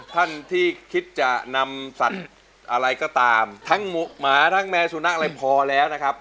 ท่านที่คิดจะนำสัตว์อะไรก็ตามทั้งหมาทั้งแมวสุนัขอะไรพอแล้วนะครับ